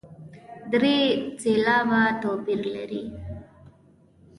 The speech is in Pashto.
درې سېلابه توپیر لري.